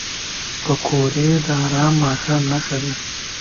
پکورې د ارام ماښام نښه ده